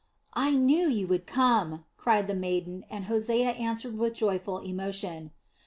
"I knew you would come!" cried the maiden, and Hosea answered with joyful emotion.